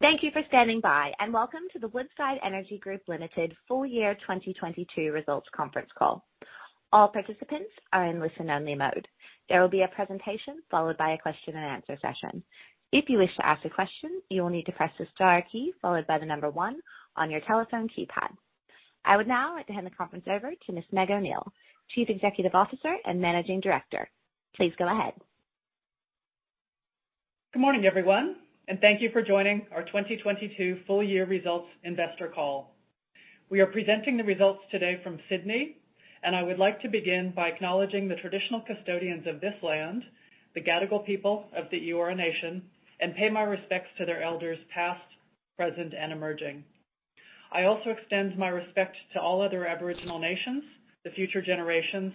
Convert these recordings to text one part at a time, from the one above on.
Thank you for standing by. Welcome to the Woodside Energy Group Limited Full Year 2022 Results Conference Call. All participants are in listen-only mode. There will be a presentation followed by a question-and-answer session. If you wish to ask a question, you will need to press the star key followed by the number one on your telephone keypad. I would now like to hand the conference over to Ms. Meg O'Neill, Chief Executive Officer and Managing Director. Please go ahead. Good morning, everyone, thank you for joining our 2022 full year results investor call. We are presenting the results today from Sydney, I would like to begin by acknowledging the traditional custodians of this land, the Gadigal people of the Eora Nation, and pay my respects to their elders past, present, and emerging. I also extend my respect to all other Aboriginal nations, the future generations,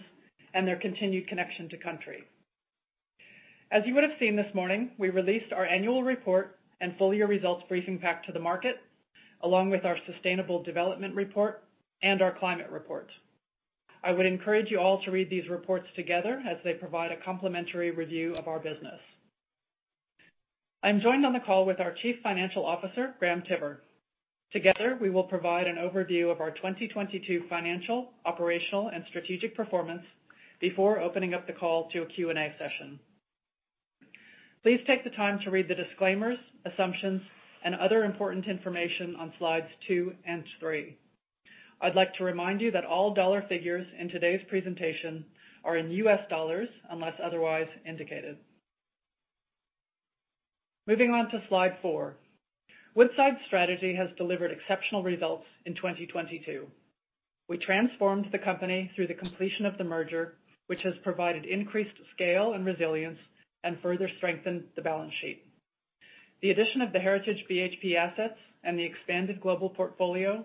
and their continued connection to country. As you would have seen this morning, we released our annual report and full-year results briefing pack to the market, along with our sustainable development report and our climate report. I would encourage you all to read these reports together as they provide a complimentary review of our business. I'm joined on the call with our Chief Financial Officer, Graham Tiver. Together, we will provide an overview of our 2022 financial, operational, and strategic performance before opening up the call to a Q&A session. Please take the time to read the disclaimers, assumptions, and other important information on slides 2 and 3. I'd like to remind you that all dollar figures in today's presentation are in US dollars, unless otherwise indicated. Moving on to slide 4. Woodside's strategy has delivered exceptional results in 2022. We transformed the company through the completion of the merger, which has provided increased scale and resilience and further strengthened the balance sheet. The addition of the Heritage BHP assets and the expanded global portfolio,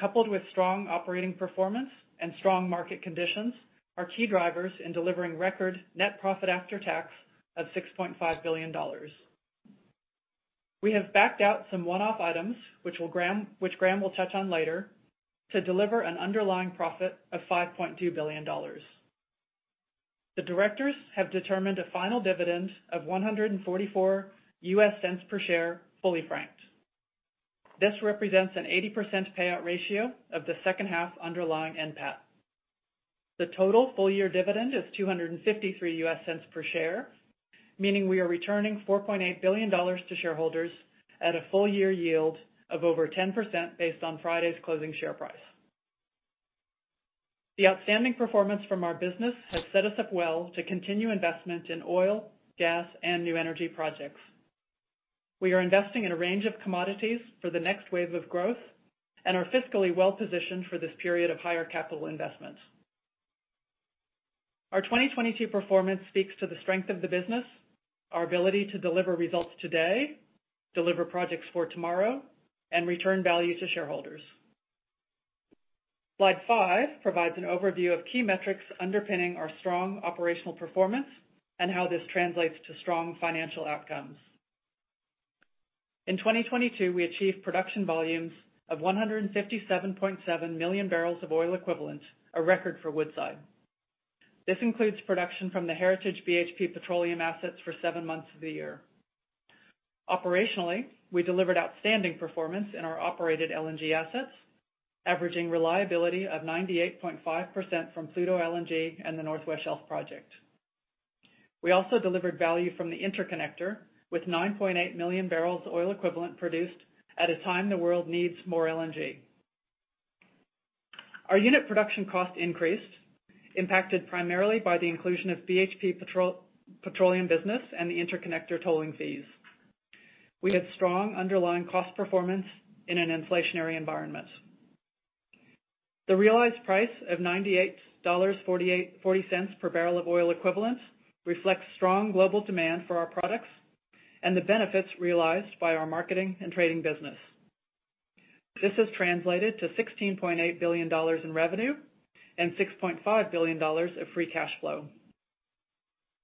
coupled with strong operating performance and strong market conditions, are key drivers in delivering record net profit after tax of $6.5 billion. We have backed out some one-off items, which Graham will touch on later, to deliver an underlying profit of $5.2 billion. The directors have determined a final dividend of $1.44 per share, fully franked. This represents an 80% payout ratio of the second half underlying NPAT. The total full-year dividend is $2.53 per share, meaning we are returning $4.8 billion to shareholders at a full-year yield of over 10% based on Friday's closing share price. The outstanding performance from our business has set us up well to continue investment in oil, gas, and new energy projects. We are investing in a range of commodities for the next wave of growth and are fiscally well-positioned for this period of higher capital investment. Our 2022 performance speaks to the strength of the business, our ability to deliver results today, deliver projects for tomorrow, and return value to shareholders. Slide 5 provides an overview of key metrics underpinning our strong operational performance and how this translates to strong financial outcomes. In 2022, we achieved production volumes of 157.7 million barrels of oil equivalent, a record for Woodside. This includes production from the Heritage BHP petroleum assets for 7 months of the year. Operationally, we delivered outstanding performance in our operated LNG assets, averaging reliability of 98.5% from Pluto LNG and the North West Shelf project. We also delivered value from the Interconnector with 9.8 million barrels of oil equivalent produced at a time the world needs more LNG. Our unit production cost increased, impacted primarily by the inclusion of BHP Petroleum business and the Interconnector tolling fees. We had strong underlying cost performance in an inflationary environment. The realized price of $98.40 per barrel of oil equivalent reflects strong global demand for our products and the benefits realized by our marketing and trading business. This has translated to $16.8 billion in revenue and $6.5 billion of free cash flow.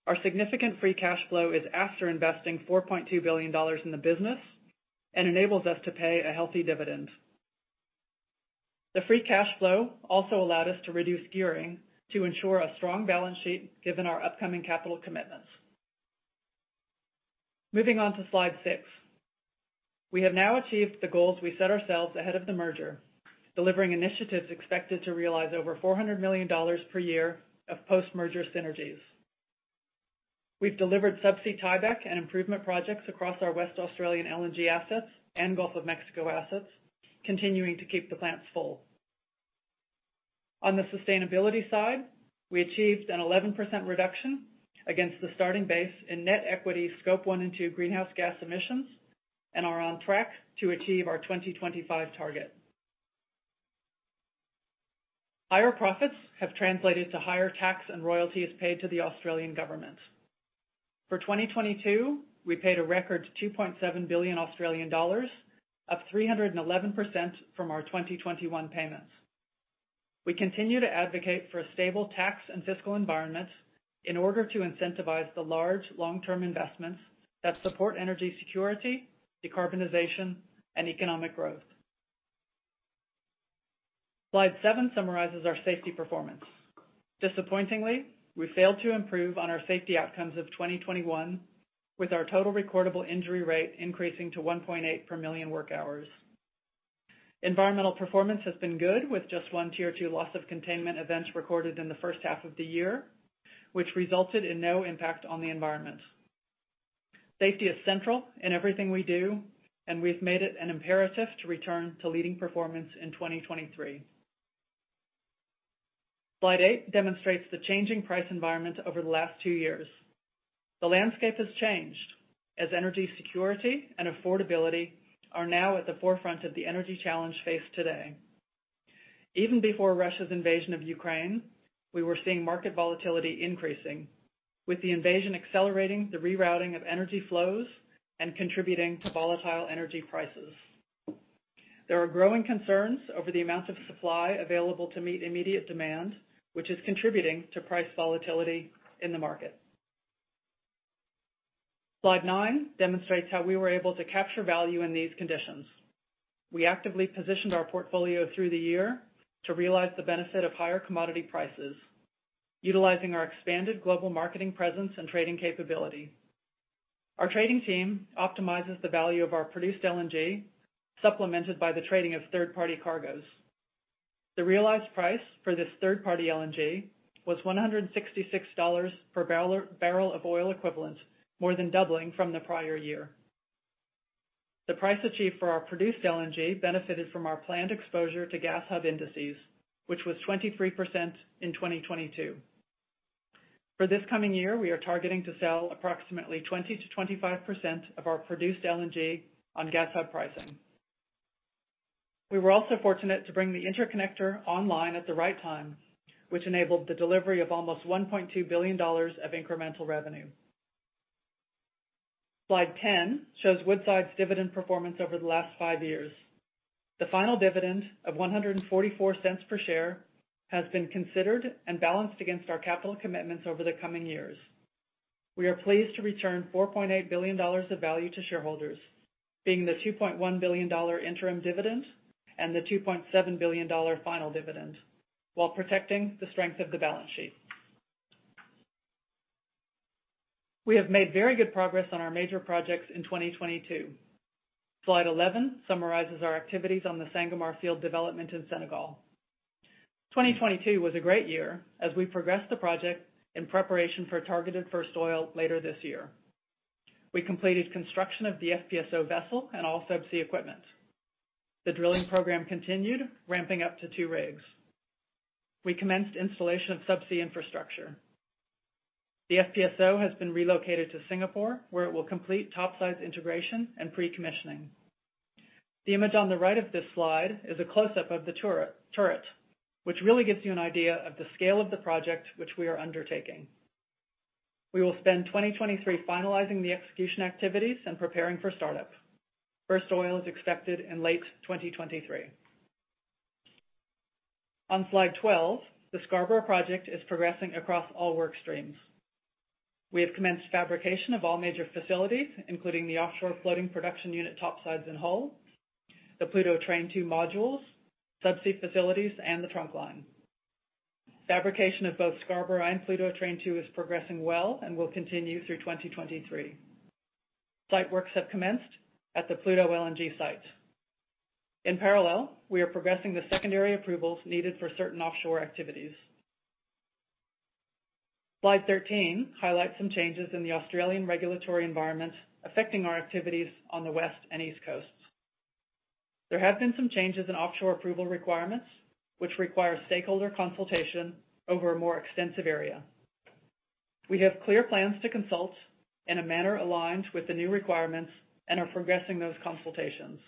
Our significant free cash flow is after investing $4.2 billion in the business and enables us to pay a healthy dividend. The free cash flow also allowed us to reduce gearing to ensure a strong balance sheet given our upcoming capital commitments. Moving on to slide six. We have now achieved the goals we set ourselves ahead of the merger, delivering initiatives expected to realize over $400 million per year of post-merger synergies. We've delivered subsea tieback and improvement projects across our Western Australian LNG assets and Gulf of Mexico assets, continuing to keep the plants full. On the sustainability side, we achieved an 11% reduction against the starting base in net equity scope one and two greenhouse gas emissions and are on track to achieve our 2025 target. Higher profits have translated to higher tax and royalties paid to the Australian government. For 2022, we paid a record 2.7 billion Australian dollars, up 311% from our 2021 payments. We continue to advocate for a stable tax and fiscal environment in order to incentivize the large long-term investments that support energy security, decarbonization, and economic growth. Slide 7 summarizes our safety performance. Disappointingly, we failed to improve on our safety outcomes of 2021, with our total recordable injury rate increasing to 1.8 per million work hours. Environmental performance has been good, with just one tier 2 loss of containment events recorded in the first half of the year, which resulted in no impact on the environment. Safety is central in everything we do, and we've made it an imperative to return to leading performance in 2023. Slide 8 demonstrates the changing price environment over the last two years. The landscape has changed as energy security and affordability are now at the forefront of the energy challenge faced today. Even before Russia's invasion of Ukraine, we were seeing market volatility increasing, with the invasion accelerating the rerouting of energy flows and contributing to volatile energy prices. There are growing concerns over the amount of supply available to meet immediate demand, which is contributing to price volatility in the market. Slide nine demonstrates how we were able to capture value in these conditions. We actively positioned our portfolio through the year to realize the benefit of higher commodity prices, utilizing our expanded global marketing presence and trading capability. Our trading team optimizes the value of our produced LNG, supplemented by the trading of third-party cargoes. The realized price for this third-party LNG was $166 per barrel of oil equivalent, more than doubling from the prior year. The price achieved for our produced LNG benefited from our planned exposure to gas hub indices, which was 23% in 2022. For this coming year, we are targeting to sell approximately 20%-25% of our produced LNG on gas hub pricing. We were also fortunate to bring the Interconnector online at the right time, which enabled the delivery of almost $1.2 billion of incremental revenue. Slide 10 shows Woodside's dividend performance over the last five years. The final dividend of 1.44 per share has been considered and balanced against our capital commitments over the coming years. We are pleased to return 4.8 billion dollars of value to shareholders, being the 2.1 billion dollar interim dividend and the 2.7 billion dollar final dividend, while protecting the strength of the balance sheet. We have made very good progress on our major projects in 2022. Slide 11 summarizes our activities on the Sangomar field development in Senegal. 2022 was a great year as we progressed the project in preparation for targeted first oil later this year. We completed construction of the FPSO vessel and all sub-sea equipment. The drilling program continued, ramping up to 2 rigs. We commenced installation of sub-sea infrastructure. The FPSO has been relocated to Singapore, where it will complete topside integration and pre-commissioning. The image on the right of this slide is a close-up of the turret, which really gives you an idea of the scale of the project which we are undertaking. We will spend 2023 finalizing the execution activities and preparing for startup. First oil is expected in late 2023. On Slide 12, the Scarborough project is progressing across all work streams. We have commenced fabrication of all major facilities, including the offshore floating production unit topsides and hull, the Pluto Train 2 modules, sub-sea facilities, and the trunk line. Fabrication of both Scarborough and Pluto Train 2 is progressing well and will continue through 2023. Site works have commenced at the Pluto LNG site. In parallel, we are progressing the secondary approvals needed for certain offshore activities. Slide 13 highlights some changes in the Australian regulatory environment affecting our activities on the West and East Coasts. There have been some changes in offshore approval requirements, which require stakeholder consultation over a more extensive area. We have clear plans to consult in a manner aligned with the new requirements and are progressing those consultations.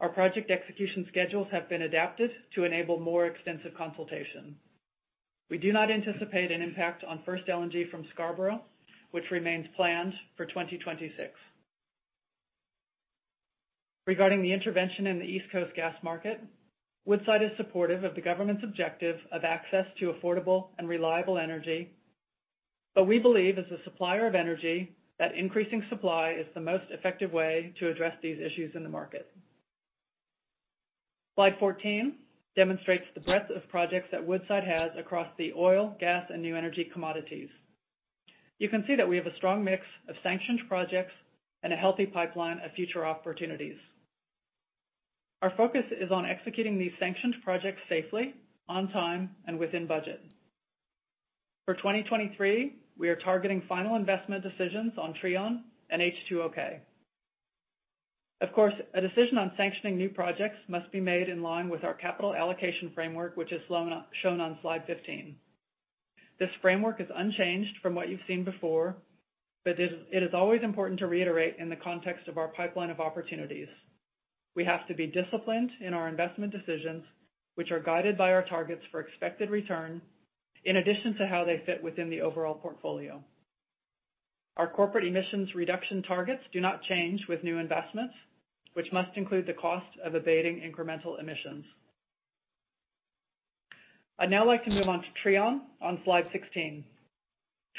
Our project execution schedules have been adapted to enable more extensive consultation. We do not anticipate an impact on first LNG from Scarborough, which remains planned for 2026. Regarding the intervention in the East Coast gas market, Woodside is supportive of the government's objective of access to affordable and reliable energy. We believe, as a supplier of energy, that increasing supply is the most effective way to address these issues in the market. Slide 14 demonstrates the breadth of projects that Woodside has across the oil, gas, and new energy commodities. You can see that we have a strong mix of sanctioned projects and a healthy pipeline of future opportunities. Our focus is on executing these sanctioned projects safely, on time, and within budget. For 2023, we are targeting final investment decisions on Trion and H2OK. Of course, a decision on sanctioning new projects must be made in line with our capital allocation framework, which is shown on slide 15. This framework is unchanged from what you've seen before, but it is always important to reiterate in the context of our pipeline of opportunities. We have to be disciplined in our investment decisions, which are guided by our targets for expected return, in addition to how they fit within the overall portfolio. Our corporate emissions reduction targets do not change with new investments, which must include the cost of abating incremental emissions. I'd now like to move on to Trion on slide 16.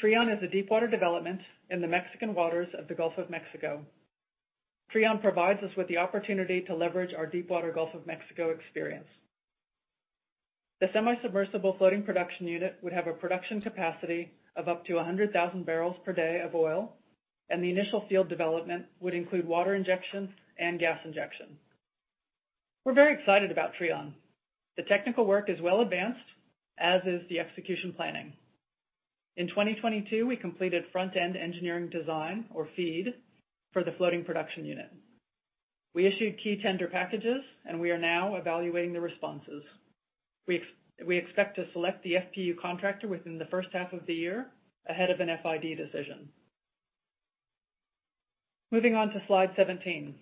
Trion is a deepwater development in the Mexican waters of the Gulf of Mexico. Trion provides us with the opportunity to leverage our deepwater Gulf of Mexico experience. The semi-submersible floating production unit would have a production capacity of up to 100,000 barrels per day of oil. The initial field development would include water injection and gas injection. We're very excited about Trion. The technical work is well advanced, as is the execution planning. In 2022, we completed front-end engineering design or FEED for the floating production unit. We issued key tender packages. We are now evaluating the responses. We expect to select the FPU contractor within the first half of the year ahead of an FID decision. Moving on to slide 17.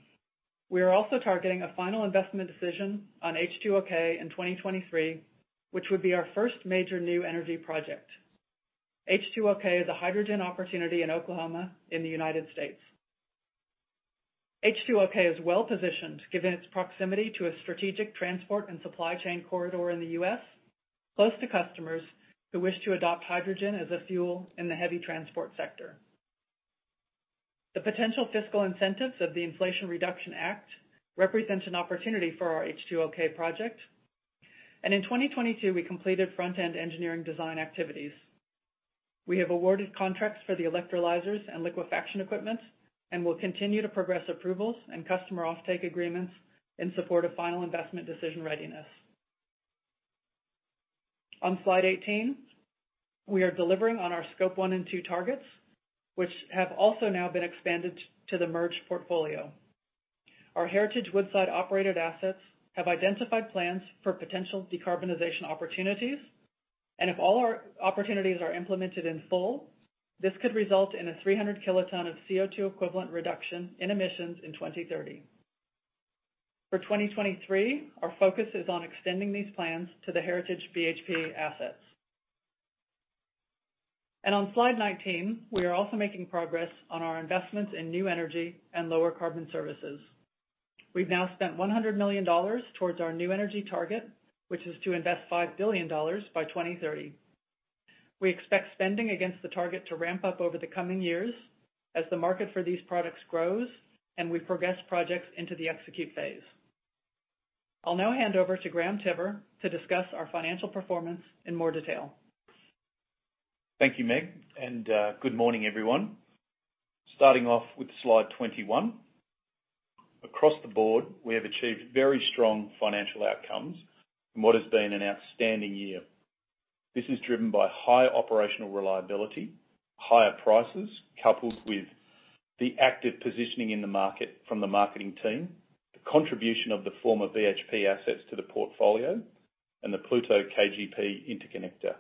We are also targeting a final investment decision on H2OK in 2023, which would be our first major new energy project. H2OK is a hydrogen opportunity in Oklahoma in the United States. H2OK is well-positioned given its proximity to a strategic transport and supply chain corridor in the US, close to customers who wish to adopt hydrogen as a fuel in the heavy transport sector. The potential fiscal incentives of the Inflation Reduction Act represents an opportunity for our H2OK project. In 2022, we completed front-end engineering design activities. We have awarded contracts for the electrolyzers and liquefaction equipment and will continue to progress approvals and customer offtake agreements in support of final investment decision readiness. On slide 18, we are delivering on our scope one and two targets, which have also now been expanded to the merged portfolio. Our Heritage Woodside-operated assets have identified plans for potential decarbonization opportunities, and if all our opportunities are implemented in full, this could result in a 300 kiloton of CO2 equivalent reduction in emissions in 2030. For 2023, our focus is on extending these plans to the Heritage BHP assets. On slide 19, we are also making progress on our investments in new energy and lower carbon services. We've now spent $100 million towards our new energy target, which is to invest $5 billion by 2030. We expect spending against the target to ramp up over the coming years as the market for these products grows and we progress projects into the execute phase. I'll now hand over to Graham Tiver to discuss our financial performance in more detail. Thank you, Meg, and good morning, everyone. Starting off with slide 21. Across the board, we have achieved very strong financial outcomes in what has been an outstanding year. This is driven by higher operational reliability, higher prices, coupled with the active positioning in the market from the marketing team, the contribution of the former BHP assets to the portfolio, and the Pluto-KGP Interconnector.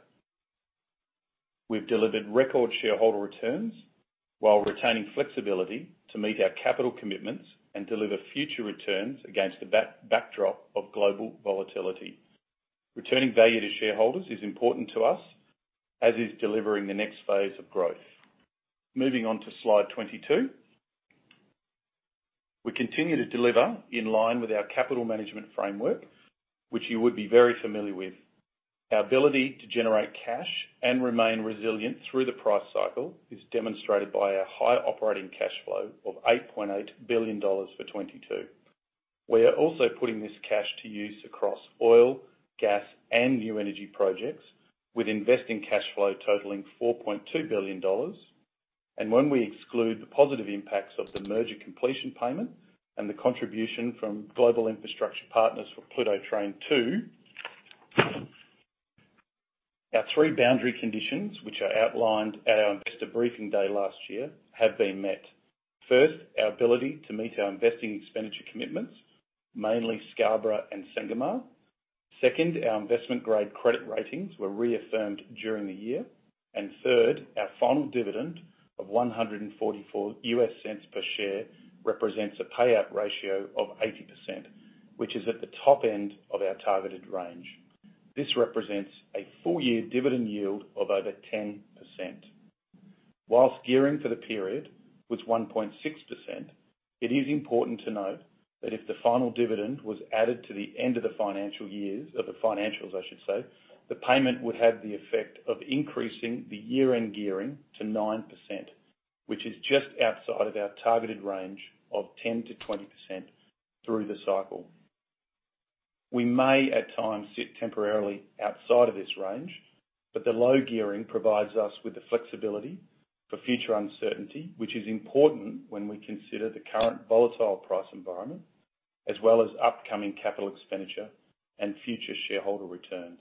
We've delivered record shareholder returns while retaining flexibility to meet our capital commitments and deliver future returns against the backdrop of global volatility. Returning value to shareholders is important to us, as is delivering the next phase of growth. Moving on to slide 22. We continue to deliver in line with our capital management framework, which you would be very familiar with. Our ability to generate cash and remain resilient through the price cycle is demonstrated by our high operating cash flow of $8.8 billion for 2022. We are also putting this cash to use across oil, gas, and new energy projects with investing cash flow totaling $4.2 billion. When we exclude the positive impacts of the merger completion payment and the contribution from Global Infrastructure Partners for Pluto Train 2, our three boundary conditions, which are outlined at our investor briefing day last year, have been met. First, our ability to meet our investing expenditure commitments, mainly Scarborough and Sangomar. Second, our investment-grade credit ratings were reaffirmed during the year. Third, our final dividend of $1.44 per share represents a payout ratio of 80%, which is at the top end of our targeted range. This represents a full year dividend yield of over 10%. While gearing for the period was 1.6%, it is important to note that if the final dividend was added to the end of the financial years or the financials, I should say, the payment would have the effect of increasing the year-end gearing to 9%, which is just outside of our targeted range of 10%-20% through the cycle. We may at times sit temporarily outside of this range, the low gearing provides us with the flexibility for future uncertainty, which is important when we consider the current volatile price environment as well as upcoming capital expenditure and future shareholder returns.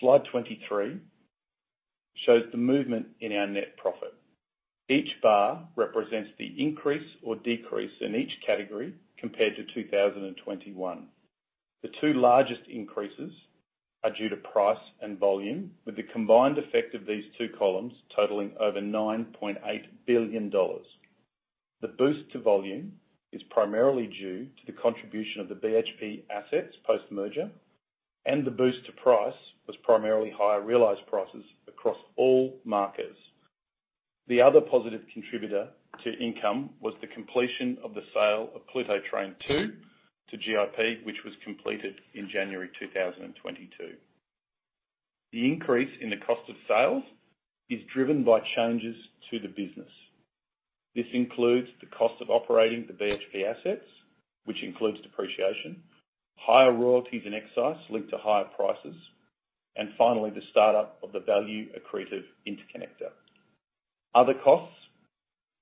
Slide 23 shows the movement in our net profit. Each bar represents the increase or decrease in each category compared to 2021. The two largest increases are due to price and volume, with the combined effect of these two columns totaling over $9.8 billion. The boost to volume is primarily due to the contribution of the BHP assets post-merger, and the boost to price was primarily higher realized prices across all markets. The other positive contributor to income was the completion of the sale of Pluto Train 2 to GIP, which was completed in January 2022. The increase in the cost of sales is driven by changes to the business. This includes the cost of operating the BHP assets, which includes depreciation, higher royalties and excise linked to higher prices, and finally, the startup of the value accretive interconnector. Other costs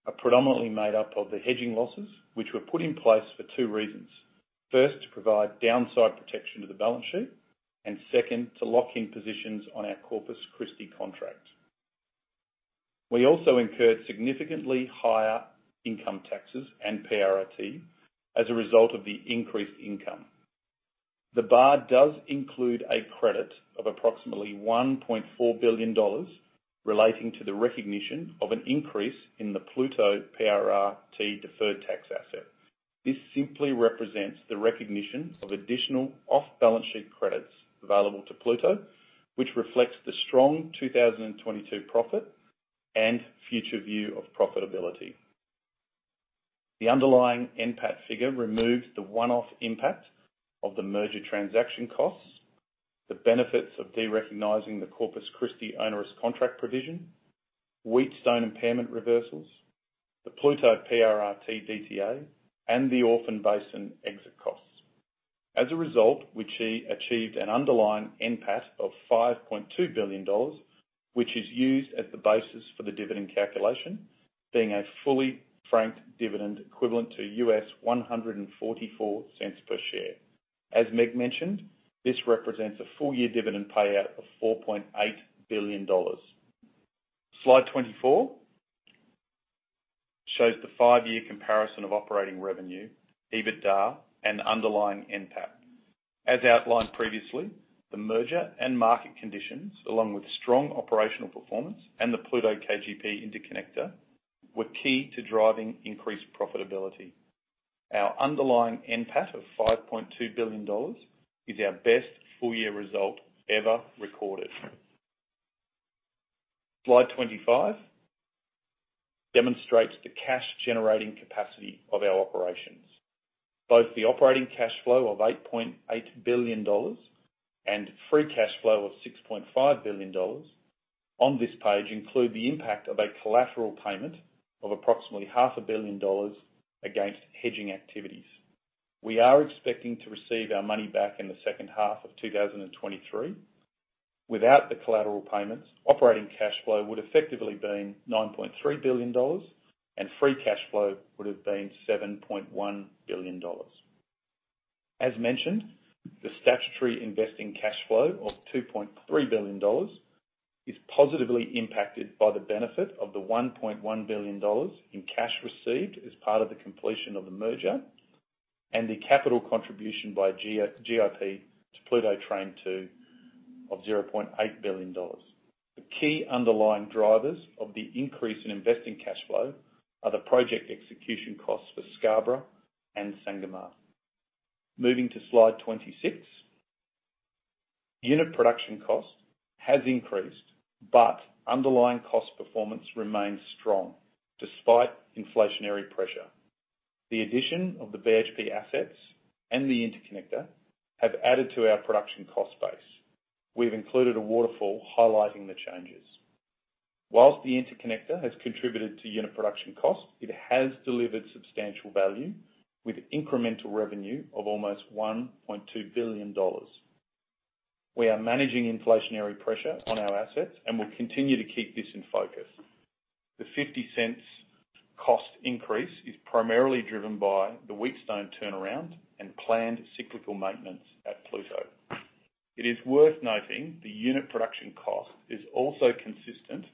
are predominantly made up of the hedging losses, which were put in place for two reasons. First, to provide downside protection to the balance sheet, second, to lock in positions on our Corpus Christi contract. We also incurred significantly higher income taxes and PRRT as a result of the increased income. The BAR does include a credit of approximately $1.4 billion relating to the recognition of an increase in the Pluto PRRT deferred tax asset. This simply represents the recognition of additional off-balance-sheet credits available to Pluto, which reflects the strong 2022 profit and future view of profitability. The underlying NPAT figure removes the one-off impact of the merger transaction costs, the benefits of derecognizing the Corpus Christi onerous contract provision, Wheatstone impairment reversals, the Pluto PRRT DTA, and the Orphan Basin exit costs. As a result, we achieved an underlying NPAT of $5.2 billion, which is used as the basis for the dividend calculation, being a fully franked dividend equivalent to $1.44 per share. As Meg mentioned, this represents a full-year dividend payout of $4.8 billion. Slide 24 shows the 5-year comparison of operating revenue, EBITDA, and underlying NPAT. As outlined previously, the merger and market conditions, along with strong operational performance and the Pluto-KGP Interconnector, were key to driving increased profitability. Our underlying NPAT of $5.2 billion is our best full-year result ever recorded. Slide 25 demonstrates the cash generating capacity of our operations. Both the operating cash flow of $8.8 billion and free cash flow of $6.5 billion on this page include the impact of a collateral payment of approximately half a billion dollars against hedging activities. We are expecting to receive our money back in the second half of 2023. Without the collateral payments, operating cash flow would effectively been $9.3 billion and free cash flow would have been $7.1 billion. As mentioned, the statutory investing cash flow of $2.3 billion is positively impacted by the benefit of the $1.1 billion in cash received as part of the completion of the merger and the capital contribution by GIP to Pluto Train 2 of $0.8 billion. The key underlying drivers of the increase in investing cash flow are the project execution costs for Scarborough and Sangomar. Moving to slide 26. Unit production cost has increased. Underlying cost performance remains strong despite inflationary pressure. The addition of the BHP assets and the interconnector have added to our production cost base. We've included a waterfall highlighting the changes. Whilst the interconnector has contributed to unit production cost, it has delivered substantial value with incremental revenue of almost $1.2 billion. We are managing inflationary pressure on our assets and will continue to keep this in focus. The $0.50 cost increase is primarily driven by the Wheatstone turnaround and planned cyclical maintenance at Pluto. It is worth noting the unit production cost is also consistent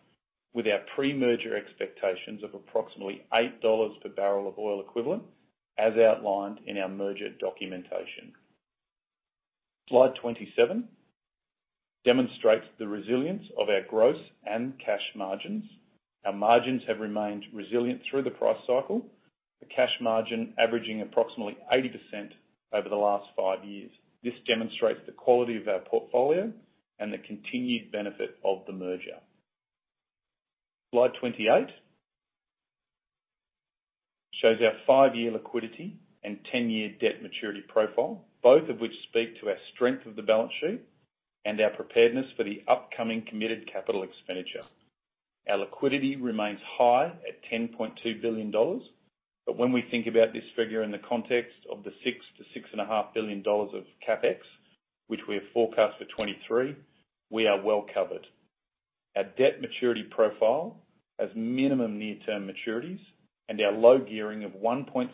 with our pre-merger expectations of approximately $8 per barrel of oil equivalent, as outlined in our merger documentation. Slide 27 demonstrates the resilience of our gross and cash margins. Our margins have remained resilient through the price cycle, the cash margin averaging approximately 80% over the last 5 years. This demonstrates the quality of our portfolio and the continued benefit of the merger. Slide 28 shows our 5-year liquidity and 10-year debt maturity profile, both of which speak to our strength of the balance sheet and our preparedness for the upcoming committed capital expenditure. Our liquidity remains high at $10.2 billion. When we think about this figure in the context of the $6 billion-$6.5 billion of CapEx, which we have forecast for 2023, we are well covered. Our debt maturity profile has minimum near-term maturities, our low gearing of 1.6%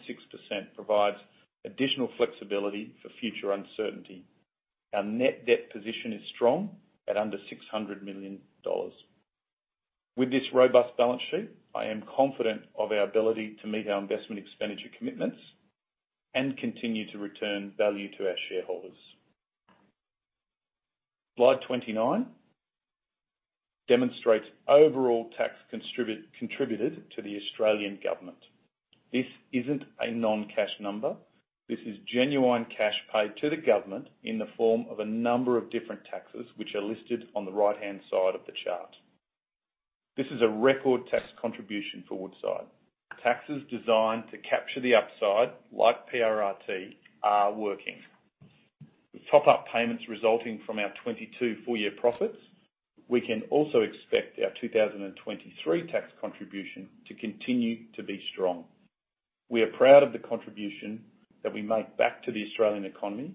provides additional flexibility for future uncertainty. Our net debt position is strong at under $600 million. With this robust balance sheet, I am confident of our ability to meet our investment expenditure commitments and continue to return value to our shareholders. Slide 29 demonstrates overall tax contributed to the Australian government. This isn't a non-cash number. This is genuine cash paid to the government in the form of a number of different taxes, which are listed on the right-hand side of the chart. This is a record tax contribution for Woodside. Taxes designed to capture the upside, like PRRT, are working. With top-up payments resulting from our 2022 full year profits, we can also expect our 2023 tax contribution to continue to be strong. We are proud of the contribution that we make back to the Australian economy.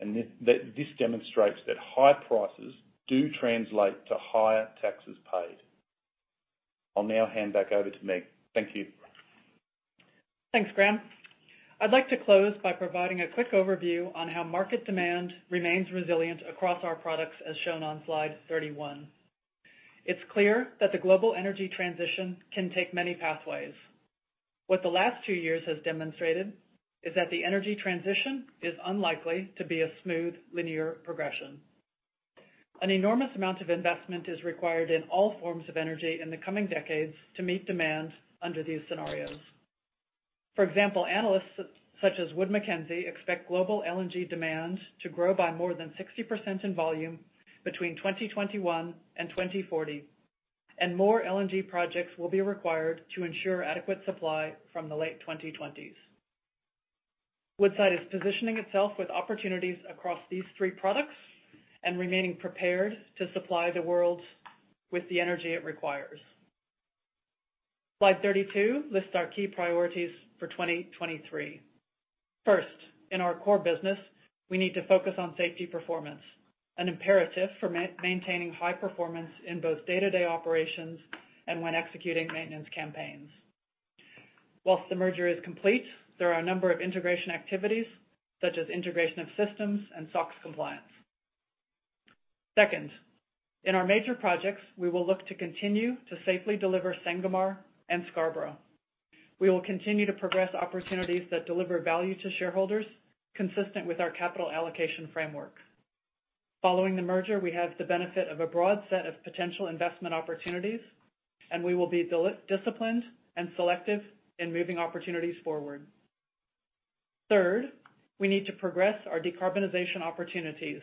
This demonstrates that high prices do translate to higher taxes paid. I'll now hand back over to Meg. Thank you. Thanks, Graham. I'd like to close by providing a quick overview on how market demand remains resilient across our products, as shown on slide 31. It's clear that the global energy transition can take many pathways. What the last two years has demonstrated is that the energy transition is unlikely to be a smooth, linear progression. An enormous amount of investment is required in all forms of energy in the coming decades to meet demand under these scenarios. For example, analysts such as Wood Mackenzie expect global LNG demand to grow by more than 60% in volume between 2021 and 2040. More LNG projects will be required to ensure adequate supply from the late 2020s. Woodside is positioning itself with opportunities across these three products and remaining prepared to supply the world with the energy it requires. Slide 32 lists our key priorities for 2023. First, in our core business, we need to focus on safety performance, an imperative for maintaining high performance in both day-to-day operations and when executing maintenance campaigns. Whilst the merger is complete, there are a number of integration activities such as integration of systems and SOX compliance. Second, in our major projects, we will look to continue to safely deliver Sangomar and Scarborough. We will continue to progress opportunities that deliver value to shareholders consistent with our capital allocation framework. Following the merger, we have the benefit of a broad set of potential investment opportunities, and we will be disciplined and selective in moving opportunities forward. Third, we need to progress our decarbonization opportunities,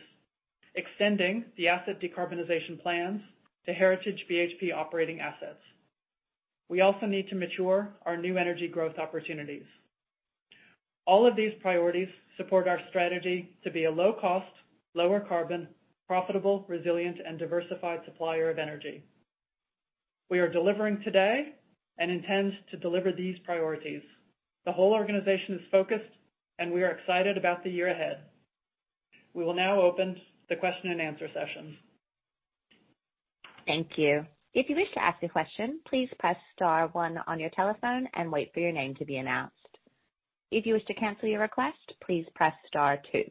extending the asset decarbonization plans to Heritage BHP operating assets. We also need to mature our new energy growth opportunities. All of these priorities support our strategy to be a low cost, lower carbon, profitable, resilient, and diversified supplier of energy. We are delivering today and intend to deliver these priorities. The whole organization is focused, and we are excited about the year ahead. We will now open the question and answer session. Thank you. If you wish to ask a question, please press star one on your telephone and wait for your name to be announced. If you wish to cancel your request, please press star two.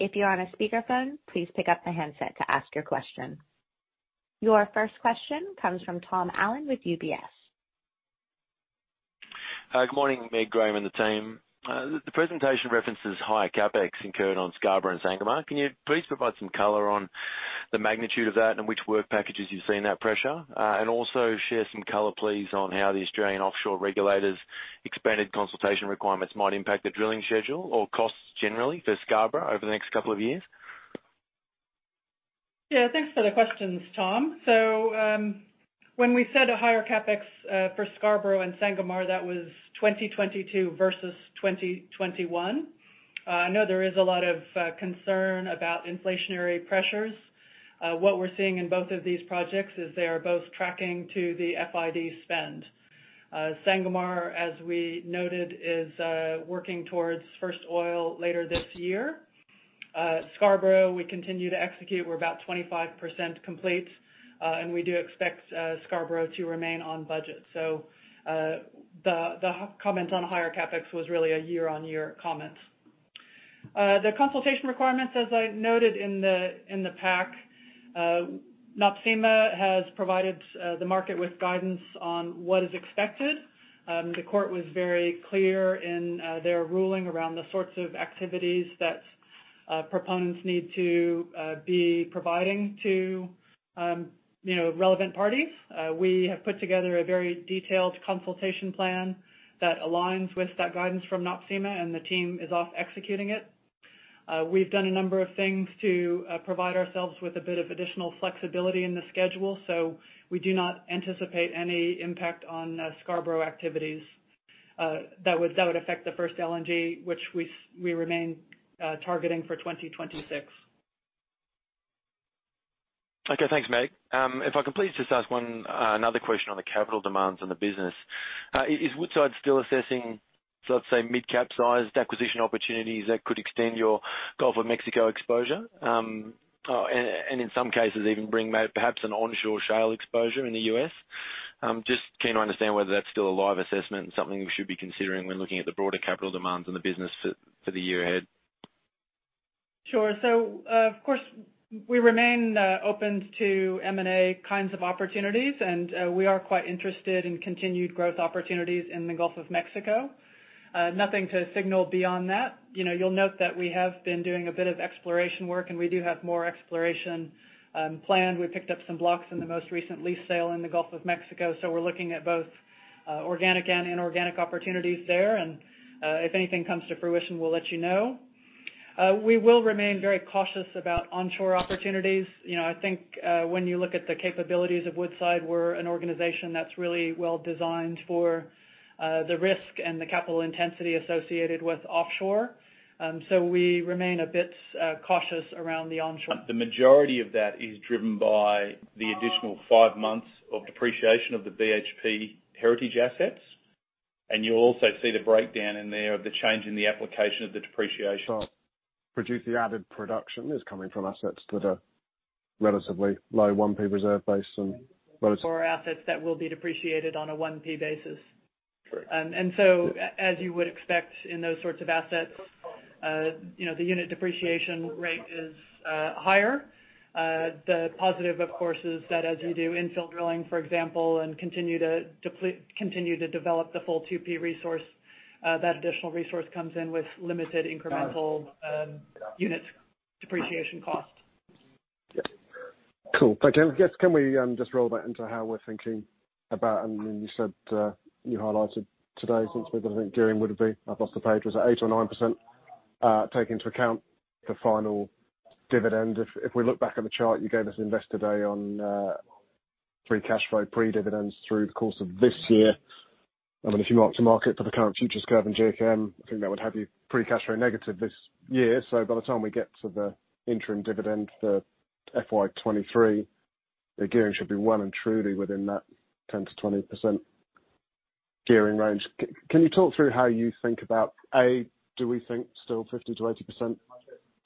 If you're on a speakerphone, please pick up the handset to ask your question. Your first question comes from Tom Allen with UBS. Good morning, Meg, Graham, and the team. The presentation references higher CapEx incurred on Scarborough and Sangomar. Can you please provide some color on the magnitude of that and which work packages you see in that pressure? Also share some color, please, on how the Australian offshore regulators expanded consultation requirements might impact the drilling schedule or costs generally for Scarborough over the next couple of years. Thanks for the questions, Tom. When we said a higher CapEx for Scarborough and Sangomar, that was 2022 versus 2021. I know there is a lot of concern about inflationary pressures. What we're seeing in both of these projects is they are both tracking to the FID spend. Sangomar, as we noted, is working towards first oil later this year. Scarborough, we continue to execute. We're about 25% complete, and we do expect Scarborough to remain on budget. The comment on higher CapEx was really a year-on-year comment. The consultation requirements, as I noted in the pack, NOPSEMA has provided the market with guidance on what is expected. The court was very clear in their ruling around the sorts of activities that proponents need to be providing to, you know, relevant parties. We have put together a very detailed consultation plan that aligns with that guidance from NOPSEMA, and the team is off executing it. We've done a number of things to provide ourselves with a bit of additional flexibility in the schedule, so we do not anticipate any impact on Scarborough activities that would affect the first LNG, which we remain targeting for 2026. Okay. Thanks, Meg. If I can please just ask one another question on the capital demands on the business. Is Woodside still assessing, let's say, mid-cap sized acquisition opportunities that could extend your Gulf of Mexico exposure? And in some cases even bring about perhaps an onshore shale exposure in the U.S. Just keen to understand whether that's still a live assessment and something we should be considering when looking at the broader capital demands on the business for the year ahead. Sure. Of course, we remain open to M&A kinds of opportunities, and we are quite interested in continued growth opportunities in the Gulf of Mexico. Nothing to signal beyond that. You know, you'll note that we have been doing a bit of exploration work, and we do have more exploration planned. We picked up some blocks in the most recent lease sale in the Gulf of Mexico, so we're looking at both organic and inorganic opportunities there. If anything comes to fruition, we'll let you know. We will remain very cautious about onshore opportunities. You know, I think, when you look at the capabilities of Woodside, we're an organization that's really well designed for the risk and the capital intensity associated with offshore. We remain a bit cautious around the onshore. The majority of that is driven by the additional five months of depreciation of the BHP Heritage assets. You'll also see the breakdown in there of the change in the application of the depreciation. The added production is coming from assets that are relatively low 1P reserve base and low. Assets that will be depreciated on a 1P basis. As you would expect in those sorts of assets, you know, the unit depreciation rate is higher. The positive, of course, is that as you do infill drilling, for example, and continue to deplete. Continue to develop the full 2P resource, that additional resource comes in with limited incremental unit depreciation cost. Yeah. Cool. Thank you. Can we just roll that into how we're thinking about, and then you said, you highlighted today since we've been having gearing would it be, I've lost the page, was it 80% or 90%, take into account the final dividend. If we look back at the chart you gave us at Investor Day on free cash flow pre-dividends through the course of this year, I mean, if you mark to market for the current futures curve in JKM, I think that would have you free cash flow negative this year. By the time we get to the interim dividend, the FY23, the gearing should be well and truly within that 10%-20% gearing range. Can you talk through how you think about, A, do we think still 50%-80%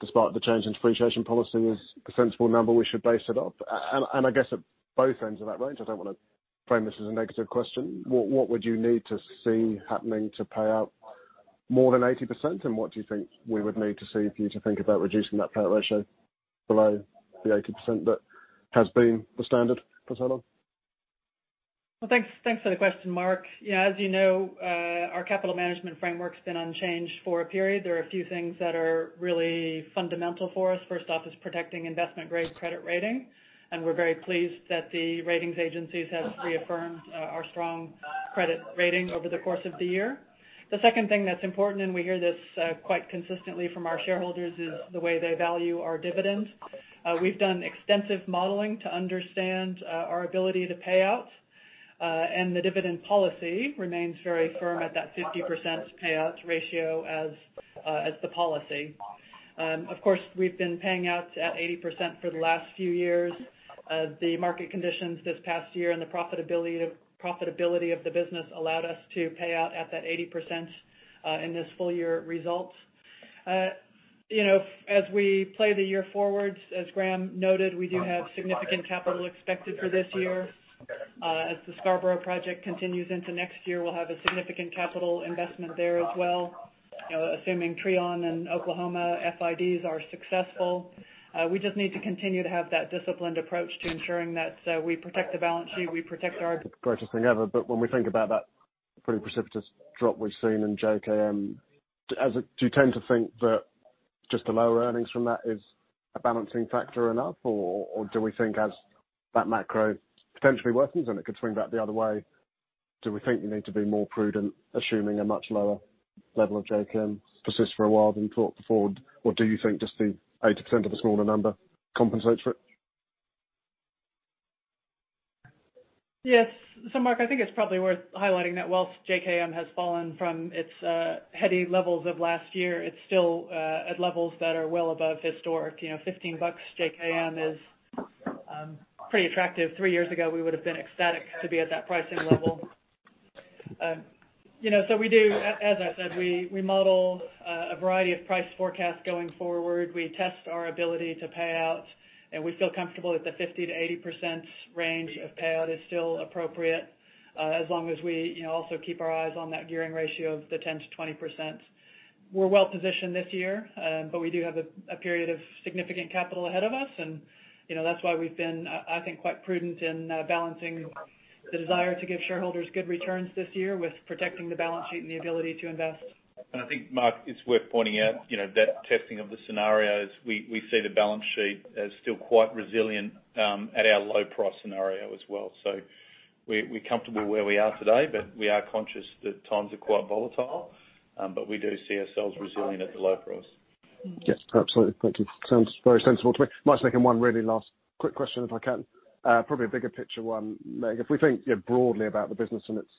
despite the change in depreciation policy is a sensible number we should base it off? And I guess at both ends of that range, I don't wanna frame this as a negative question. What would you need to see happening to pay out more than 80%? What do you think we would need to see for you to think about reducing that payout ratio below the 80% that has been the standard for so long? Well, thanks for the question, Mark. As you know, our capital management framework's been unchanged for a period. There are a few things that are really fundamental for us. First off is protecting investment-grade credit rating, and we're very pleased that the ratings agencies have reaffirmed our strong credit rating over the course of the year. The second thing that's important, and we hear this quite consistently from our shareholders, is the way they value our dividend. We've done extensive modeling to understand our ability to pay out, and the dividend policy remains very firm at that 50% payout ratio as the policy. Of course, we've been paying out at 80% for the last few years. The market conditions this past year and the profitability of the business allowed us to pay out at that 80% in this full year results. You know, as we play the year forwards, as Graham noted, we do have significant capital expected for this year. As the Scarborough project continues into next year, we'll have a significant capital investment there as well. You know, assuming Trion and Oklahoma FIDs are successful. We just need to continue to have that disciplined approach to ensuring that we protect the balance sheet. The greatest thing ever. When we think about that pretty precipitous drop we've seen in JKM, do you tend to think that just the lower earnings from that is a balancing factor enough? Or do we think as that macro potentially worsens, and it could swing back the other way, do we think you need to be more prudent, assuming a much lower level of JKM persists for a while than thought before? Or do you think just the 80% of a smaller number compensates for it? Yes. Mark, I think it's probably worth highlighting that whilst JKM has fallen from its heady levels of last year, it's still at levels that are well above historic. You know, $15 JKM is pretty attractive. Three years ago, we would have been ecstatic to be at that pricing level. You know, as I said, we model a variety of price forecasts going forward. We test our ability to pay out, and we feel comfortable that the 50%-80% range of payout is still appropriate, as long as we, you know, also keep our eyes on that gearing ratio of the 10%-20%. We're well positioned this year, but we do have a period of significant capital ahead of us and, you know, that's why we've been, I think, quite prudent in balancing the desire to give shareholders good returns this year with protecting the balance sheet and the ability to invest. I think, Mark, it's worth pointing out, you know, that testing of the scenarios, we see the balance sheet as still quite resilient at our low price scenario as well. We're comfortable where we are today, but we are conscious that times are quite volatile. We do see ourselves resilient at the low price. Yes, absolutely. Thank you. Sounds very sensible to me. Might as second one really last quick question if I can. Probably a bigger picture one, Meg. If we think, yeah, broadly about the business in its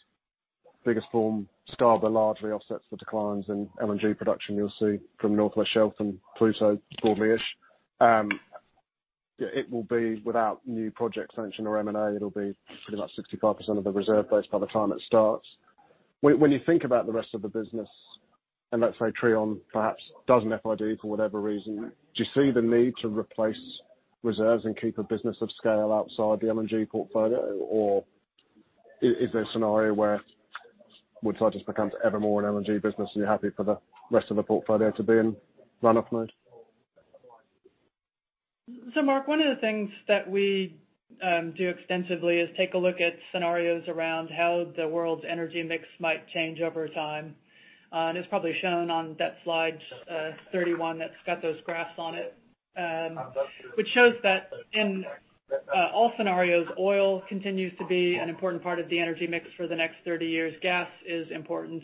biggest form, Scarborough largely offsets the declines in LNG production you'll see from Northwest Shelf and Pluto, broadly-ish. It will be without new projects mentioned or M&A, it'll be pretty much 65% of the reserve base by the time it starts. When you think about the rest of the business, and let's say Trion perhaps does an FID for whatever reason, do you see the need to replace reserves and keep a business of scale outside the LNG portfolio? Or is there a scenario where Woodside just becomes ever more an LNG business, and you're happy for the rest of the portfolio to be in runoff mode? Mark, one of the things that we do extensively is take a look at scenarios around how the world's energy mix might change over time. It's probably shown on that slide 31, that's got those graphs on it. Which shows that in all scenarios, oil continues to be an important part of the energy mix for the next 30 years. Gas is important.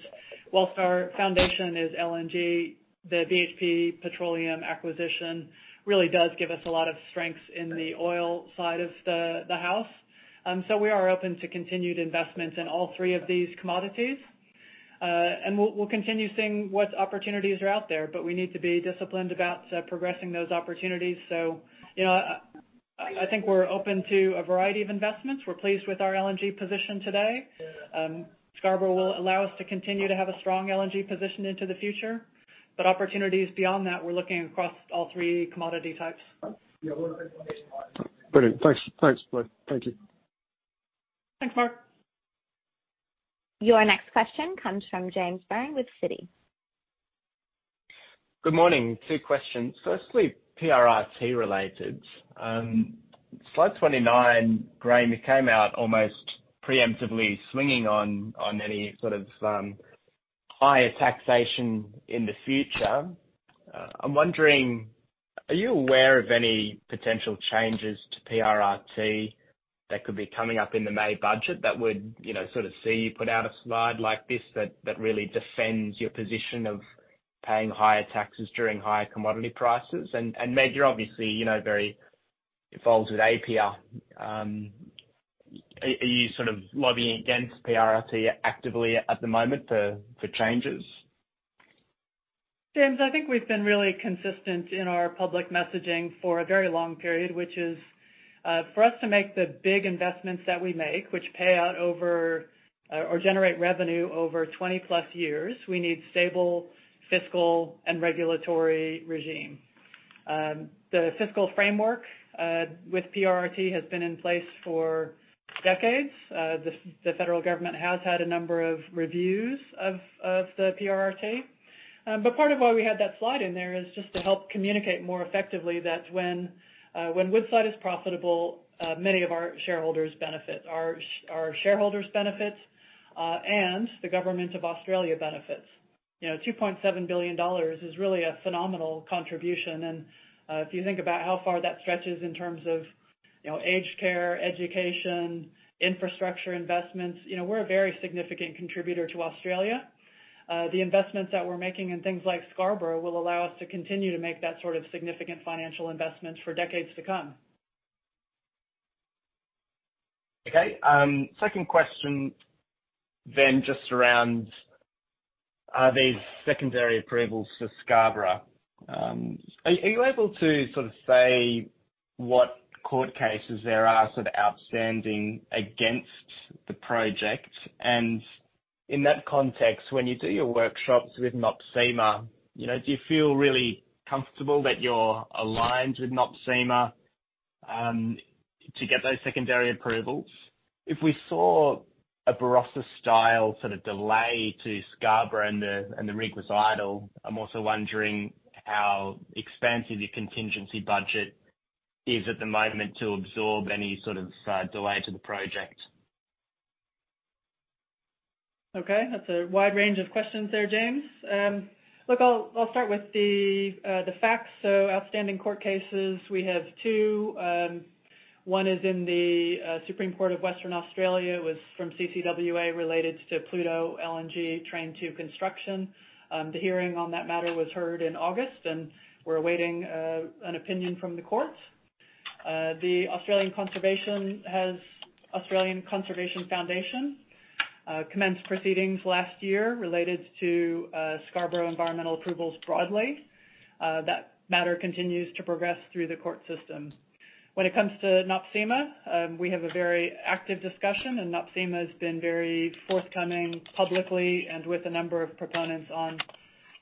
Whilst our foundation is LNG, the BHP Petroleum acquisition really does give us a lot of strengths in the oil side of the house. We are open to continued investments in all three of these commodities. We'll continue seeing what opportunities are out there, but we need to be disciplined about progressing those opportunities. You know, I think we're open to a variety of investments. We're pleased with our LNG position today. Scarborough will allow us to continue to have a strong LNG position into the future. Opportunities beyond that, we're looking across all three commodity types. Brilliant. Thanks. Thanks, Meg. Thank you. Thanks, Mark. Your next question comes from James Byrne with Citi. Good morning. Two questions. Firstly, PRRT related. Slide 29, Graham, you came out almost preemptively swinging on any sort of higher taxation in the future. I'm wondering, are you aware of any potential changes to PRRT that could be coming up in the May budget that would, you know, sort of see you put out a slide like this that really defends your position of paying higher taxes during higher commodity prices? Meg O'Neill, you're obviously, you know, very involved with APPEA. Are you sort of lobbying against PRRT actively at the moment for changes? James, I think we've been really consistent in our public messaging for a very long period, which is, for us to make the big investments that we make, which pay out over or generate revenue over 20 plus years, we need stable fiscal and regulatory regime. The fiscal framework with PRRT has been in place for decades. The federal government has had a number of reviews of the PRRT. Part of why we had that slide in there is just to help communicate more effectively that when Woodside is profitable, many of our shareholders benefit. Our shareholders benefit, and the government of Australia benefits. You know, 2.7 billion dollars is really a phenomenal contribution. If you think about how far that stretches in terms of, you know, aged care, education, infrastructure investments, you know, we're a very significant contributor to Australia. The investments that we're making in things like Scarborough will allow us to continue to make that sort of significant financial investments for decades to come. Okay. Second question then just around are these secondary approvals for Scarborough. Are you able to say what court cases there are outstanding against the project? In that context, when you do your workshops with NOPSEMA, you know, do you feel really comfortable that you're aligned with NOPSEMA to get those secondary approvals? If we saw a Barossa style delay to Scarborough and the rig was idle, I'm also wondering how expansive your contingency budget is at the moment to absorb any delay to the project. Okay. That's a wide range of questions there, James. Look, I'll start with the facts. Outstanding court cases, we have two. One is in the Supreme Court of Western Australia, it was from CCWA related to Pluto LNG Train 2 construction. The hearing on that matter was heard in August, and we're awaiting an opinion from the courts. The Australian Conservation Foundation commenced proceedings last year related to Scarborough environmental approvals broadly. That matter continues to progress through the court system. When it comes to NOPSEMA, we have a very active discussion, and NOPSEMA has been very forthcoming publicly and with a number of proponents on